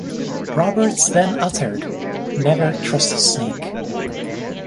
Roberts then uttered, Never trust a snake.